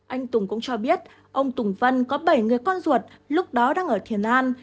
anh tùng cũng cho biết ông tùng vân có bảy người con ruột lúc đó đang ở thiên an